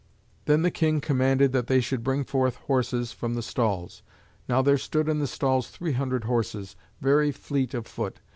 Then the king commanded that they should bring forth horses from the stalls. Now there stood in the stalls three hundred horses, very fleet of foot.